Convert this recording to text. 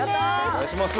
お願いします